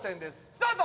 スタート！